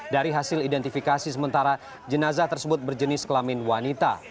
dari hasil identifikasi sementara jenazah tersebut berjenis kelamin wanita